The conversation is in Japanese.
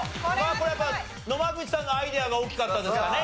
これはやっぱり野間口さんのアイデアが大きかったですかね